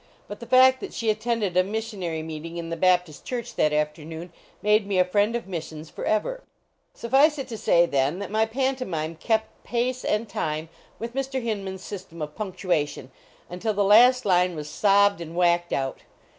But the fact that she attended a missionary 262 THE STRIKE AT HINMAX S meeting in the Baptist church that afternoon made me a friend of missions forever. Suffice it to say, then, that my pantomime kept pace and time with Mr. Hinman s sys tem of punctuation until the last line was sobbed and whacked out.